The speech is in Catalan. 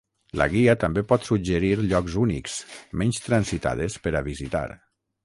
La guia també pot suggerir llocs únics, menys transitades per a visitar.